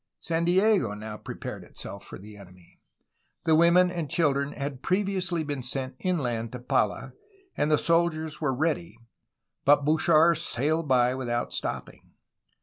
San Diego now prepared itseK for the enemy. The women and children had previously been sent inland to Pala, and the soldiers were ready, — but Bouchard sailed by without stopping.